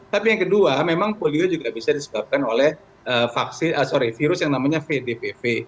tapi yang kedua memang polio juga bisa disebabkan oleh virus yang namanya vdpv